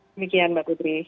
demikian mbak kudri